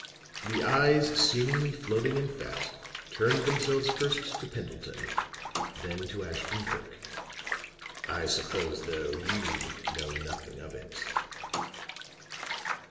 The eyes seemingly floating in fat, turned themselves first to Pendleton, then to Ashton Kirk. "I suppose, though, you know nothing of it?"